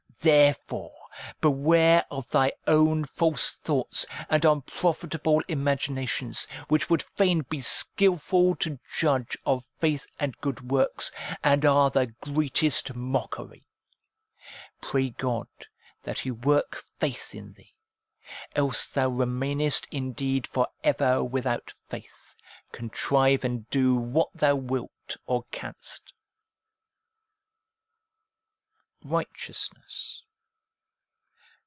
Therefore beware of thy own false thoughts and unprofitable imaginations, which would fain be skilful to judge of faith and good works, and are the greatest mockery. Pray God that He work faith in thee, else thou remainest indeed for ever without faith, contrive and do what thou wilt or canst. Righteousness.